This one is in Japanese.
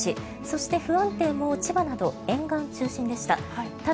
そして不安定も千葉など沿岸中心でした。